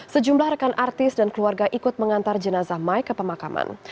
sejumlah rekan artis dan keluarga ikut mengantar jenazah mike ke pemakaman